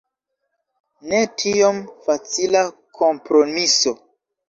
Ne tiom facila kompromiso.